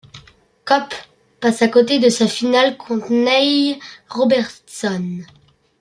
Cope passe à côté de sa finale contre Neil Robertson.